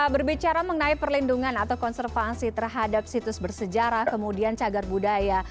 berbicara mengenai perlindungan atau konservasi terhadap situs bersejarah kemudian cagar budaya